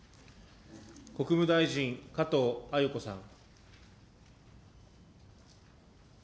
国務大臣、加藤鮎子さん。